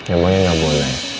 emangnya gak boleh